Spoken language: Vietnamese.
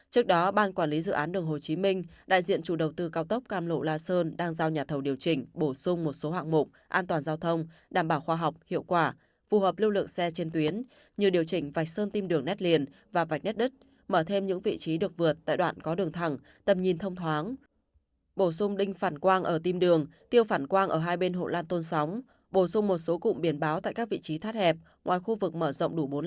trước đó ban quản lý dự án đường hồ chí minh đại diện chủ đầu tư cao tốc cam lộ la sơn đang giao nhà thầu điều chỉnh bổ sung một số hạng mục an toàn giao thông đảm bảo khoa học hiệu quả phù hợp lưu lượng xe trên tuyến như điều chỉnh vạch sơn tim đường nét liền và vạch nét đất mở thêm những vị trí được vượt tại đoạn có đường thẳng tầm nhìn thông thoáng bổ sung đinh phản quang ở tim đường tiêu phản quang ở hai bên hộ lan tôn sóng bổ sung một số cụm biển báo tại các vị trí thắt hẹp ngoài khu vực mở r